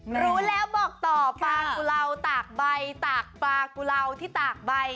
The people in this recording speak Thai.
รู้แล้วบอกต่อปลากุลาวตากใบตากปลากุเลาที่ตากใบ